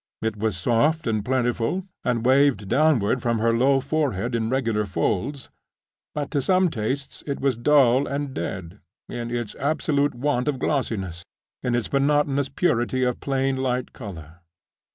It was soft and plentiful, and waved downward from her low forehead in regular folds—but, to some tastes, it was dull and dead, in its absolute want of glossiness, in its monotonous purity of plain light color.